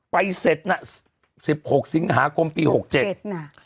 ไปเสร็จน่ะสิบหกสิบหาคมปีหกเจ็ดหกเจ็ดน่ะ